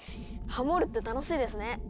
ハモるって楽しいですね。